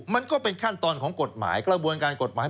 มันก็เป็นขั้นตอนของกฎหมายกระบวนการกฎหมาย